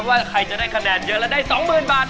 ว่าใครจะได้คะแนนเยอะและได้๒๐๐๐บาท